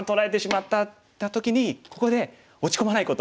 って時にここで落ち込まないこと。